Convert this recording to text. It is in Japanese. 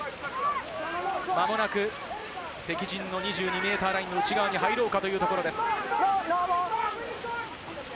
まもなく敵陣の２２ｍラインの内側に入ろうかというところです。